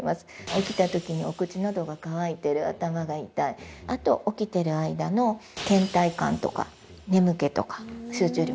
起きた時にお口などが渇いてる頭が痛いあと起きてる間のけん怠感とか眠気とか集中力の低下